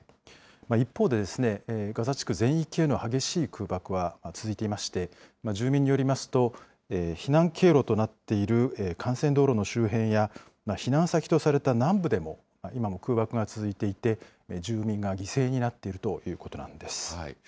一方で、ガザ地区全域への激しい空爆は続いていまして、住民によりますと、避難経路となっている幹線道路の周辺や、避難先とされた南部でも、今も空爆が続いていて、住民が犠牲になっているということなんです。